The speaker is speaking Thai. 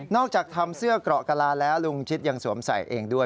อกจากทำเสื้อเกราะกะลาแล้วลุงชิดยังสวมใส่เองด้วย